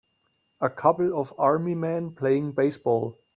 A couple of army men playing baseball.